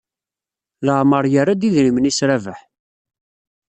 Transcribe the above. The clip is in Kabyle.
Leɛmeṛ yerra-d idrimen-is Rabaḥ.